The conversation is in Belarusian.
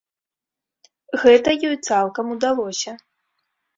Гэта ёй цалкам удалося.